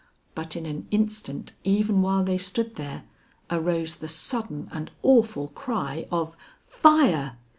But in an instant, even while they stood there, arose the sudden and awful cry of "Fire!"